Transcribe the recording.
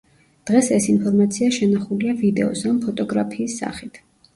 დღეს ეს ინფორმაცია შენახულია ვიდეოს ან ფოტოგრაფიის სახით.